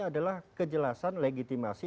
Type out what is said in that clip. adalah kejelasan legitimasi